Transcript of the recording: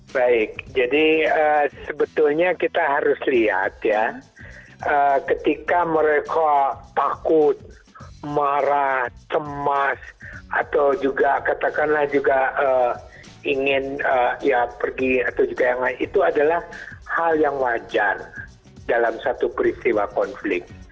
baik jadi sebetulnya kita harus lihat ya ketika mereka takut marah cemas atau juga katakanlah juga ingin pergi itu adalah hal yang wajar dalam satu peristiwa konflik